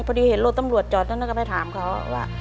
พอดีเห็นรถตำรวจจอดเท่านั้นก็ไปถามเขาว่า